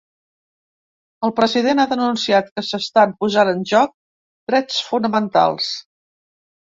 El president ha denunciat que ‘s’estan posant en joc drets fonamentals’.